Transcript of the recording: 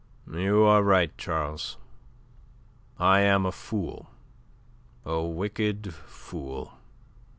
"You are right, Charles, I am a fool a wicked fool!